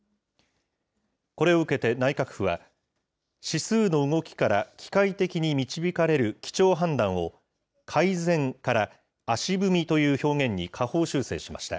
これを受けて内閣府は、指数の動きから機械的に導かれる基調判断を、改善から足踏みという表現に下方修正しました。